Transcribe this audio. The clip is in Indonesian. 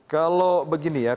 kalau begini ya